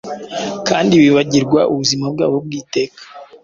Kandi bibagirwa ubuzima bwabo bw'iteka